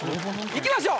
いきましょう。